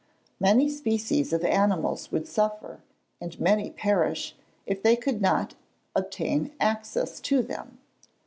Many species of animals would suffer, and many perish, if they could not obtain access to them.